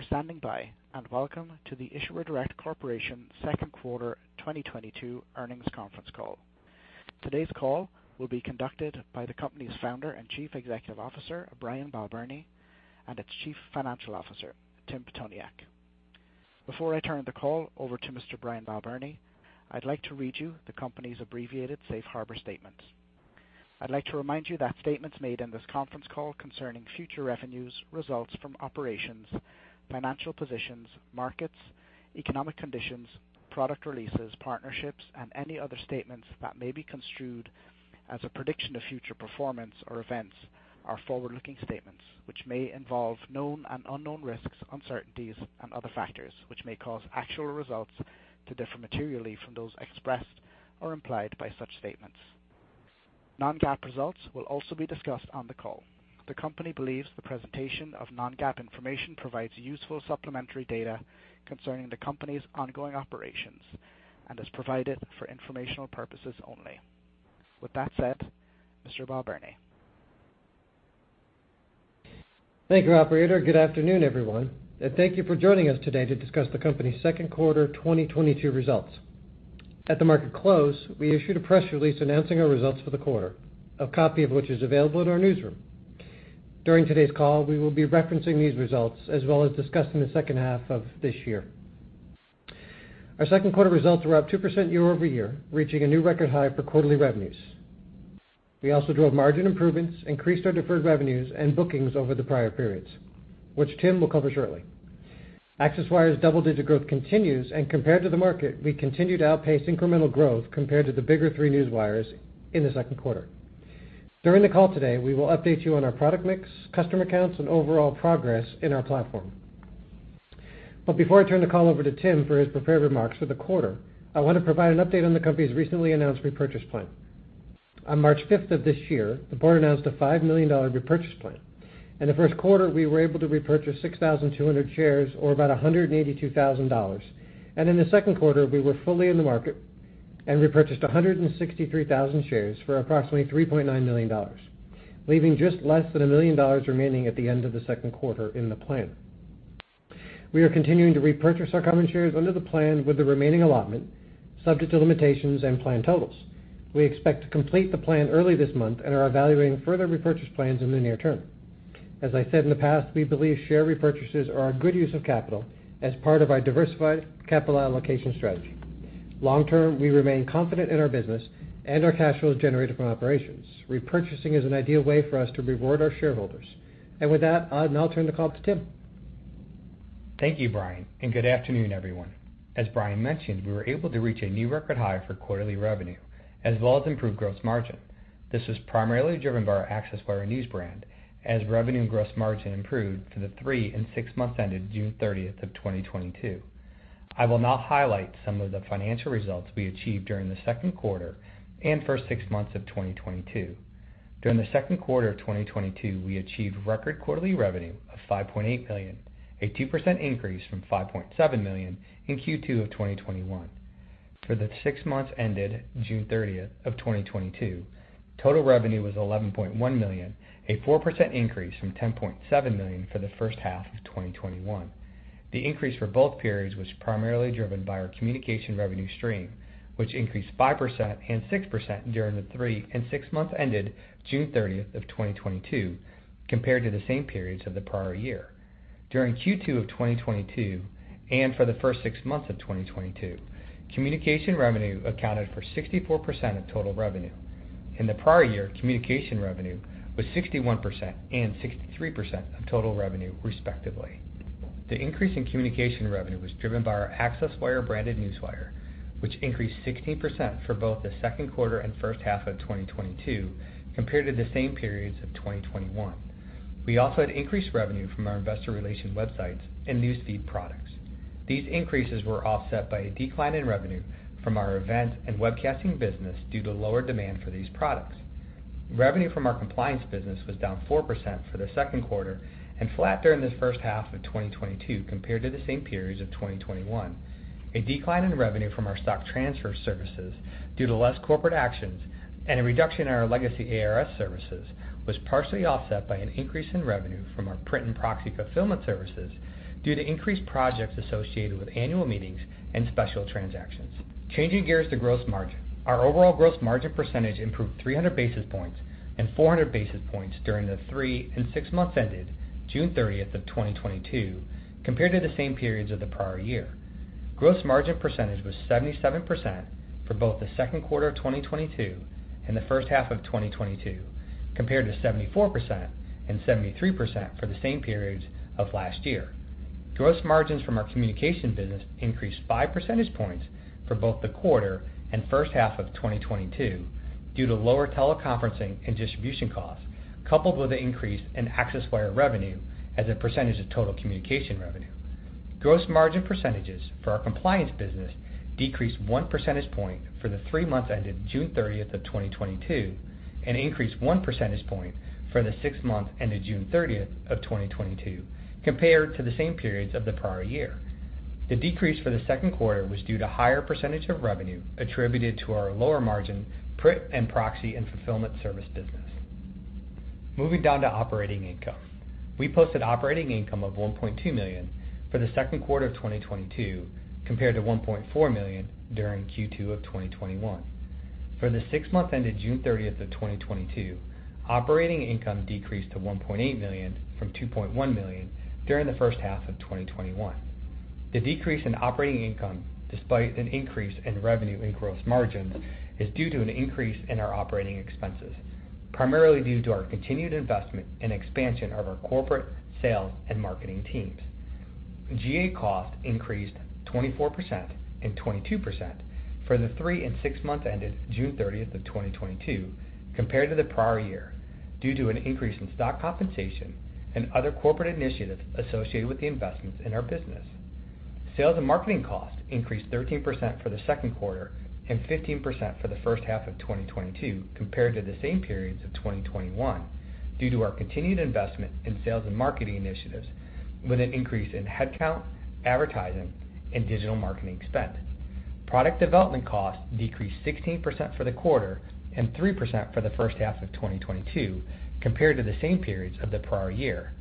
For standing by, welcome to the Issuer Direct Corporation Second Quarter 2022 Earnings Conference Call. Today's call will be conducted by the company's Founder and Chief Executive Officer, Brian Balbirnie, and its Chief Financial Officer, Tim Pitoniak. Before I turn the call over to Mr. Brian Balbirnie, I'd like to read you the company's abbreviated safe harbor statement. I'd like to remind you that statements made in this conference call concerning future revenues, results from operations, financial positions, markets, economic conditions, product releases, partnerships, and any other statements that may be construed as a prediction of future performance or events are forward-looking statements, which may involve known and unknown risks, uncertainties, and other factors, which may cause actual results to differ materially from those expressed or implied by such statements. non-GAAP results will also be discussed on the call. The company believes the presentation of non-GAAP information provides useful supplementary data concerning the company's ongoing operations and is provided for informational purposes only. With that said, Mr. Balbirnie. Thank you, operator. Good afternoon, everyone, and thank you for joining us today to discuss the company's Second Quarter 2022 Results. At the market close, we issued a press release announcing our results for the quarter, a copy of which is available in our newsroom. During today's call, we will be referencing these results as well as discussing the second half of this year. Our second quarter results were up 2% year-over-year, reaching a new record high for quarterly revenues. We also drove margin improvements, increased our deferred revenues and bookings over the prior periods, which Tim will cover shortly. ACCESSWIRE's double-digit growth continues, and compared to the market, we continue to outpace incremental growth compared to the bigger three news wires in the second quarter. During the call today, we will update you on our product mix, customer accounts, and overall progress in our platform. Before I turn the call over to Tim for his prepared remarks for the quarter, I want to provide an update on the company's recently announced repurchase plan. On March 5th of this year, the board announced a $5 million repurchase plan. In the first quarter, we were able to repurchase 6,200 shares or about $182,000. In the second quarter, we were fully in the market and repurchased 163,000 shares for approximately $3.9 million, leaving just less than $1 million remaining at the end of the second quarter in the plan. We are continuing to repurchase our common shares under the plan with the remaining allotment, subject to limitations and plan totals. We expect to complete the plan early this month and are evaluating further repurchase plans in the near term. As I said in the past, we believe share repurchases are a good use of capital as part of our diversified capital allocation strategy. Long-term, we remain confident in our business and our cash flows generated from operations. Repurchasing is an ideal way for us to reward our shareholders. With that, I'll now turn the call to Tim. Thank you, Brian, and good afternoon, everyone. As Brian mentioned, we were able to reach a new record high for quarterly revenue as well as improved gross margin. This was primarily driven by our ACCESSWIRE news brand as revenue and gross margin improved for the three and six months ended June 30th of 2022. I will now highlight some of the financial results we achieved during the second quarter and first six months of 2022. During the second quarter of 2022, we achieved record quarterly revenue of $5.8 million, a 2% increase from $5.7 million in Q2 of 2021. For the six months ended June 30th of 2022, total revenue was $11.1 million, a 4% increase from $10.7 million for the first half of 2021. The increase for both periods was primarily driven by our communication revenue stream, which increased 5% and 6% during the three and six months ended June 30th of 2022 compared to the same periods of the prior year. During Q2 of 2022 and for the first six months of 2022, communication revenue accounted for 64% of total revenue. In the prior year, communication revenue was 61% and 63% of total revenue, respectively. The increase in communication revenue was driven by our ACCESSWIRE branded Newswire, which increased 16% for both the second quarter and first half of 2022 compared to the same periods of 2021. We also had increased revenue from our investor relations websites and news feed products. These increases were offset by a decline in revenue from our events and webcasting business due to lower demand for these products. Revenue from our compliance business was down 4% for the second quarter and flat during the first half of 2022 compared to the same periods of 2021. A decline in revenue from our stock transfer services due to less corporate actions and a reduction in our legacy ARS services was partially offset by an increase in revenue from our print and proxy fulfillment services due to increased projects associated with annual meetings and special transactions. Changing gears to gross margin. Our overall gross margin percentage improved 300 basis points and 400 basis points during the three and six months ended June 30th of 2022 compared to the same periods of the prior year. Gross margin percentage was 77% for both the second quarter of 2022 and the first half of 2022, compared to 74% and 73% for the same periods of last year. Gross margins from our communication business increased five percentage points for both the quarter and first half of 2022 due to lower teleconferencing and distribution costs, coupled with an increase in ACCESSWIRE revenue as a percentage of total communication revenue. Gross margin percentages for our compliance business decreased one percentage point for the three months ended June 30th of 2022, and increased one percentage point for the six months ended June 30th of 2022 compared to the same periods of the prior year. The decrease for the second quarter was due to a higher percentage of revenue attributed to our lower margin print and proxy and fulfillment service business. Moving down to operating income. We posted operating income of $1.2 million for the second quarter of 2022 compared to $1.4 million during Q2 of 2021. For the six months ended June 30th, 2022, operating income decreased to $1.8 million from $2.1 million during the first half of 2021. The decrease in operating income, despite an increase in revenue and gross margin, is due to an increase in our operating expenses, primarily due to our continued investment and expansion of our corporate sales and marketing teams. G&A costs increased 24% and 22% for the three and six monthths ended June 30, 2022 compared to the prior year, due to an increase in stock compensation and other corporate initiatives associated with the investments in our business. Sales and marketing costs increased 13% for the second quarter and 15% for the first half of 2022 compared to the same periods of 2021 due to our continued investment in sales and marketing initiatives with an increase in headcount, advertising, and digital marketing spend. Product development costs decreased 16% for the quarter and 3% for the first half of 2022 compared to the same periods of the prior year.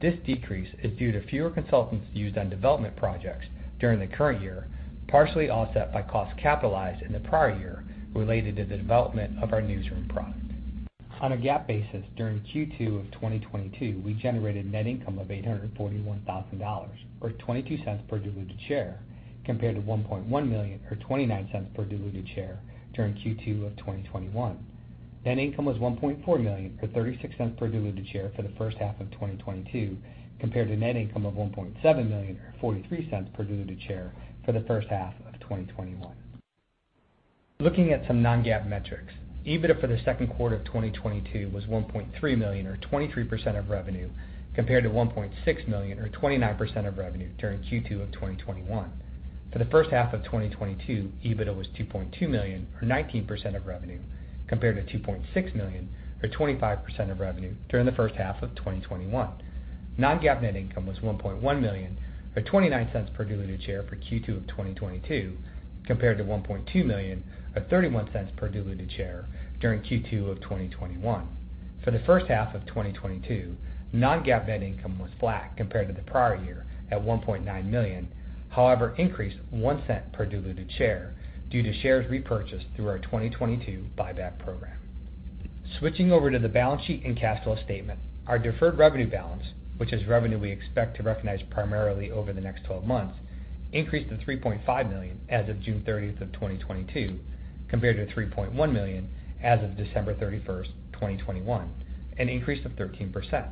This decrease is due to fewer consultants used on development projects during the current year, partially offset by costs capitalized in the prior year related to the development of our newsroom product. On a GAAP basis, during Q2 of 2022, we generated net income of $841,000 or $0.22 per diluted share, compared to $1.1 million or $0.29 per diluted share during Q2 of 2021. Net income was $1.4 million or $0.36 per diluted share for the first half of 2022, compared to net income of $1.7 million or $0.43 per diluted share for the first half of 2021. Looking at some non-GAAP metrics, EBITDA for the second quarter of 2022 was $1.3 million or 23% of revenue, compared to $1.6 million or 29% of revenue during Q2 of 2021. For the first half of 2022, EBITDA was $2.2 million or 19% of revenue, compared to $2.6 million or 25% of revenue during the first half of 2021. Non-GAAP net income was $1.1 million or $0.29 per diluted share for Q2 of 2022, compared to $1.2 million or $0.31 per diluted share during Q2 of 2021. For the first half of 2022, non-GAAP net income was flat compared to the prior year at $1.9 million. However, increased $0.01 per diluted share due to shares repurchased through our 2022 buyback program. Switching over to the balance sheet and cash flow statement. Our deferred revenue balance, which is revenue we expect to recognize primarily over the next 12 months, increased to $3.5 million as of June 30, 2022, compared to $3.1 million as of December 31st, 2021, an increase of 13%.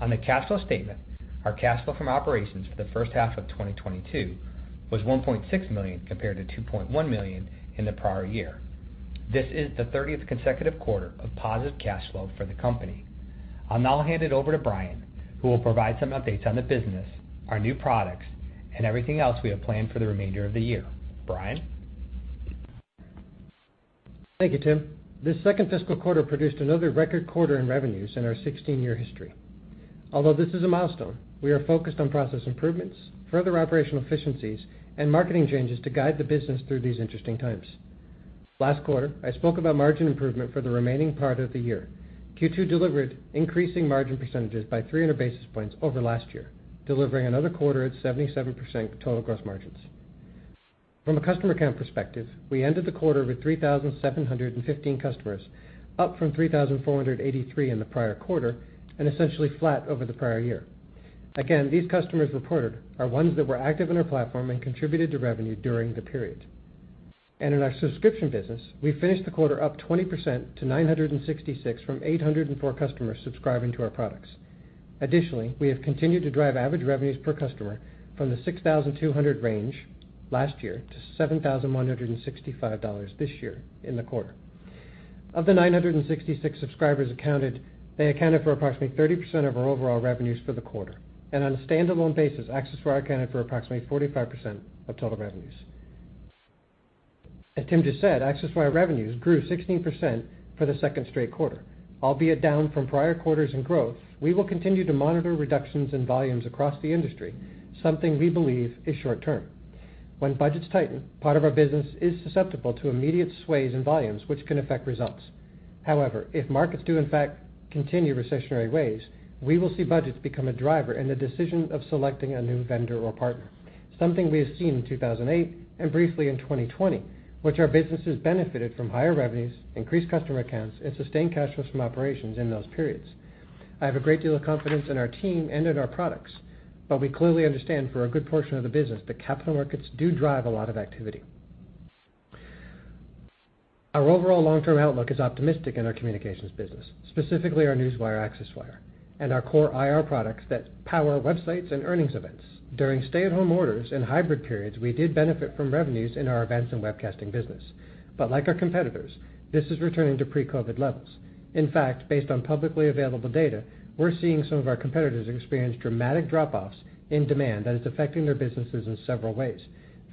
On the cash flow statement, our cash flow from operations for the first half of 2022 was $1.6 million compared to $2.1 million in the prior year. This is the 30th consecutive quarter of positive cash flow for the company. I'll now hand it over to Brian, who will provide some updates on the business, our new products, and everything else we have planned for the remainder of the year. Brian? Thank you, Tim. This second fiscal quarter produced another record quarter in revenues in our 16-year history. Although this is a milestone, we are focused on process improvements, further operational efficiencies, and marketing changes to guide the business through these interesting times. Last quarter, I spoke about margin improvement for the remaining part of the year. Q2 delivered increasing margin percentages by 300 basis points over last year, delivering another quarter at 77% total gross margins. From a customer count perspective, we ended the quarter with 3,715 customers, up from 3,483 in the prior quarter and essentially flat over the prior year. Again, these customers reported are ones that were active in our platform and contributed to revenue during the period. In our subscription business, we finished the quarter up 20% to 966 from 804 customers subscribing to our products. Additionally, we have continued to drive average revenues per customer from the 6,200 range last year to $7,165 this year in the quarter. Of the 966 subscribers accounted, they accounted for approximately 30% of our overall revenues for the quarter. On a standalone ACCESSWIRE accounted for approximately 45% of total revenues. As Tim just ACCESSWIRE revenues grew 16% for the second straight quarter, albeit down from prior quarters and growth, we will continue to monitor reductions in volumes across the industry, something we believe is short-term. When budgets tighten, part of our business is susceptible to immediate sways in volumes, which can affect results. However, if markets do in fact continue recessionary ways, we will see budgets become a driver in the decision of selecting a new vendor or partner, something we have seen in 2008 and briefly in 2020, which our businesses benefited from higher revenues, increased customer accounts, and sustained cash flows from operations in those periods. I have a great deal of confidence in our team and in our products, but we clearly understand for a good portion of the business that capital markets do drive a lot of activity. Our overall long-term outlook is optimistic in our communications business, specifically our Newswire, ACCESSWIRE, and our core IR products that power websites and earnings events. During stay-at-home orders and hybrid periods, we did benefit from revenues in our events and webcasting business. Like our competitors, this is returning to pre-COVID levels. In fact, based on publicly available data, we're seeing some of our competitors experience dramatic drop-offs in demand that is affecting their businesses in several ways.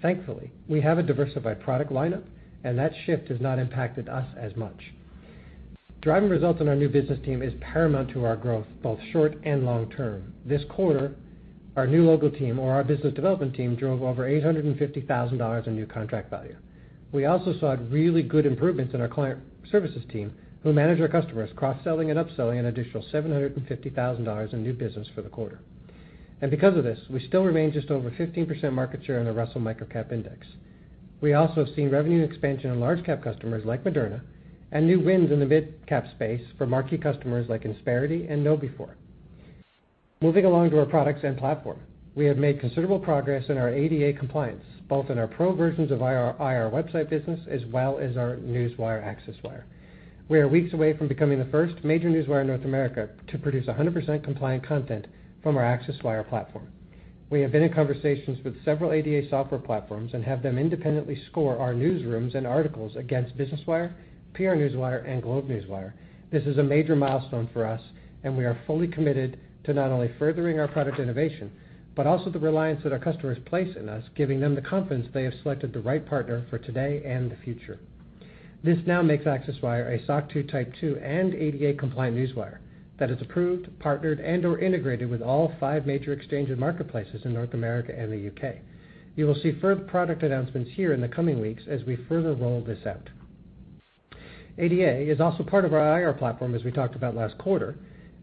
Thankfully, we have a diversified product lineup, and that shift has not impacted us as much. Driving results on our new business team is paramount to our growth, both short and long term. This quarter, our new logo team or our business development team drove over $850 thousand in new contract value. We also saw really good improvements in our client services team, who manage our customers, cross-selling and upselling an additional $750 thousand in new business for the quarter. Because of this, we still remain just over 15% market share in the Russell Microcap Index. We also have seen revenue expansion in large cap customers like Moderna and new wins in the midcap space for marquee customers like Insperity and KnowBe4. Moving along to our products and platform. We have made considerable progress in our ADA compliance, both in our pro versions of IR website business, as well as our Newswire ACCESSWIRE. We are weeks away from becoming the first major newswire in North America to produce 100% compliant content from ACCESSWIRE platform. We have been in conversations with several ADA software platforms and have them independently score our newsrooms and articles against Business Wire, PR Newswire, and GlobeNewswire. This is a major milestone for us, and we are fully committed to not only furthering our product innovation, but also the reliance that our customers place in us, giving them the confidence they have selected the right partner for today and the future. This now ACCESSWIRE a SOC 2 Type 2 and ADA compliant Newswire that is approved, partnered, and/or integrated with all five major exchange and marketplaces in North America and the U.K. You will see further product announcements here in the coming weeks as we further roll this out. ADA is also part of our IR platform, as we talked about last quarter.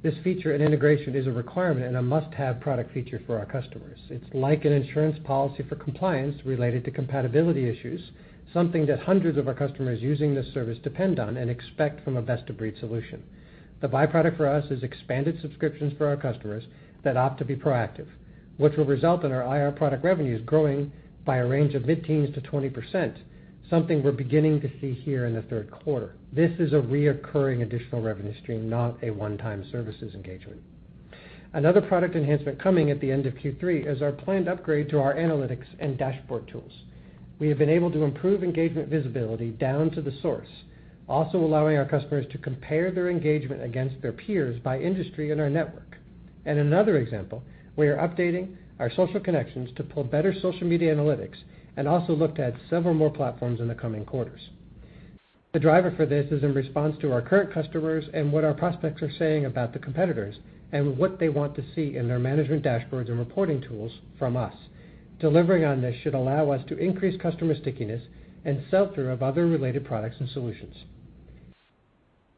This feature and integration is a requirement and a must-have product feature for our customers. It's like an insurance policy for compliance related to compatibility issues, something that hundreds of our customers using this service depend on and expect from a best-of-breed solution. The byproduct for us is expanded subscriptions for our customers that opt to be proactive, which will result in our IR product revenues growing by a range of mid-teens to 20%, something we're beginning to see here in the third quarter. This is a recurring additional revenue stream, not a one-time services engagement. Another product enhancement coming at the end of Q3 is our planned upgrade to our analytics and dashboard tools. We have been able to improve engagement visibility down to the source, also allowing our customers to compare their engagement against their peers by industry in our network. Another example, we are updating our social connections to pull better social media analytics and also looked at several more platforms in the coming quarters. The driver for this is in response to our current customers and what our prospects are saying about the competitors and what they want to see in their management dashboards and reporting tools from us. Delivering on this should allow us to increase customer stickiness and sell-through of other related products and solutions.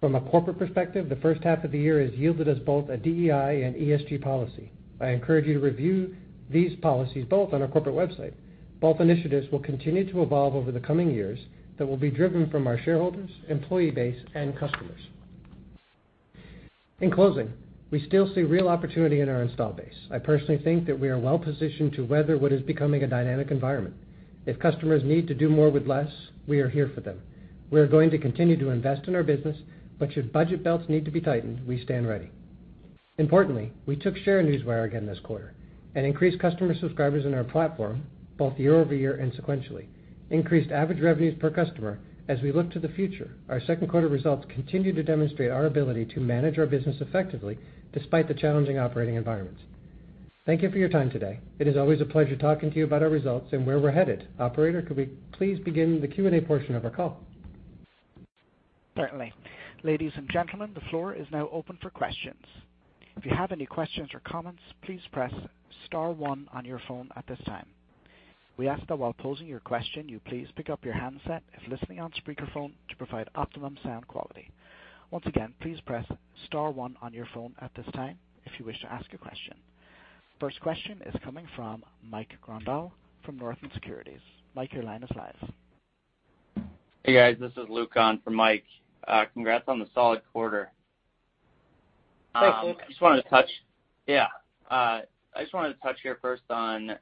From a corporate perspective, the first half of the year has yielded us both a DEI and ESG policy. I encourage you to review these policies both on our corporate website. Both initiatives will continue to evolve over the coming years that will be driven from our shareholders, employee base, and customers. In closing, we still see real opportunity in our installed base. I personally think that we are well-positioned to weather what is becoming a dynamic environment. If customers need to do more with less, we are here for them. We are going to continue to invest in our business, but should budget belts need to be tightened, we stand ready. Importantly, we took share in Newswire again this quarter and increased customer subscribers in our platform both year-over-year and sequentially, increased average revenues per customer. As we look to the future, our second quarter results continue to demonstrate our ability to manage our business effectively despite the challenging operating environments. Thank you for your time today. It is always a pleasure talking to you about our results and where we're headed. Operator, could we please begin the Q&A portion of our call? Certainly. Ladies and gentlemen, the floor is now open for questions. If you have any questions or comments, please press star one on your phone at this time. We ask that while posing your question, you please pick up your handset if listening on speakerphone to provide optimum sound quality. Once again, please press star one on your phone at this time if you wish to ask a question. First question is coming from Mike Grondahl from Northland Securities. Mike, your line is live. Hey, guys, this is Luke on for Mike. Congrats on the solid quarter. Thanks, Luke. I just wanted to touch here first on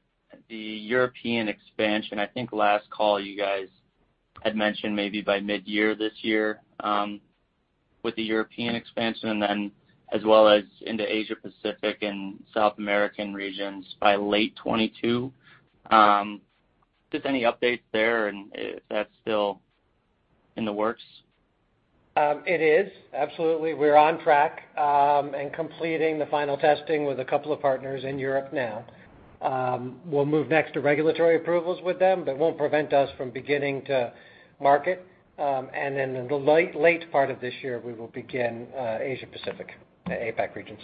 the European expansion. I think last call you guys had mentioned maybe by mid-year this year, with the European expansion and then as well as into Asia-Pacific and South American regions by late 2022. Just any updates there and if that's still in the works? It is absolutely. We're on track and completing the final testing with a couple of partners in Europe now. We'll move next to regulatory approvals with them. That won't prevent us from beginning to market. In the late part of this year, we will begin Asia-Pacific, APAC regions.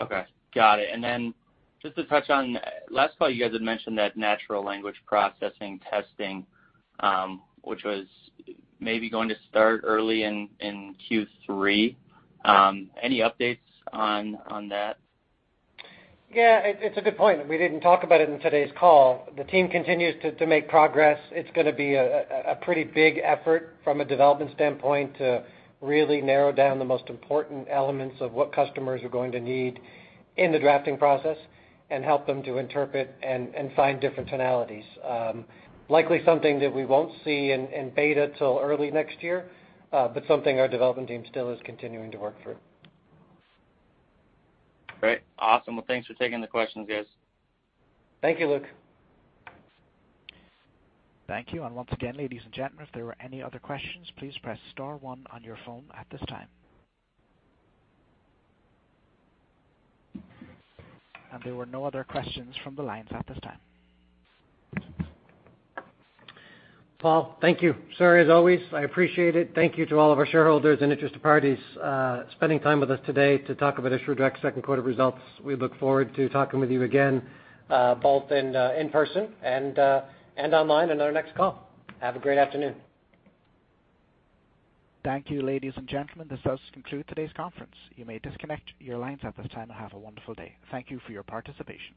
Okay, got it. Just to touch on last call, you guys had mentioned that natural language processing testing, which was maybe going to start early in Q3. Any updates on that? Yeah, it's a good point. We didn't talk about it in today's call. The team continues to make progress. It's gonna be a pretty big effort from a development standpoint to really narrow down the most important elements of what customers are going to need in the drafting process and help them to interpret and find different tonalities. Likely something that we won't see in beta till early next year, but something our development team still is continuing to work through. Great. Awesome. Well, thanks for taking the questions, guys. Thank you, Luke. Thank you. Once again, ladies and gentlemen, if there are any other questions, please press star one on your phone at this time. There were no other questions from the lines at this time. Paul, thank you, sir, as always. I appreciate it. Thank you to all of our shareholders and interested parties spending time with us today to talk Issuer Direct Second Quarter Results. We look forward to talking with you again both in person and online in our next call. Have a great afternoon. Thank you, ladies and gentlemen. This does conclude today's conference. You may disconnect your lines at this time. Have a wonderful day. Thank you for your participation.